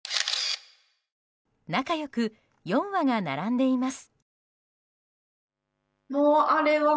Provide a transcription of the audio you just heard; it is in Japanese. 仲良く４羽が並んでいます。